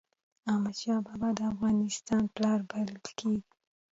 احمد شاه بابا د افغانستان پلار بلل کېږي.